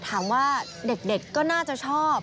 ถามว่าเด็กก็น่าจะชอบ